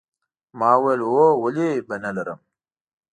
ما وویل هو ولې به نه لرم